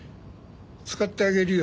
使ってあげるよ。